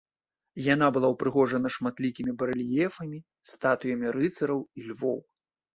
Яна была ўпрыгожана шматлікімі барэльефамі, статуямі рыцараў і львоў.